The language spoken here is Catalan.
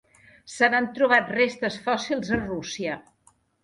Se n'han trobat restes fòssils a Rússia.